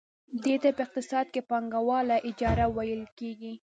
دې ته په اقتصاد کې پانګواله اجاره ویل کېږي